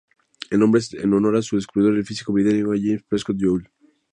El nombre es en honor a su descubridor, el físico británico James Prescott Joule.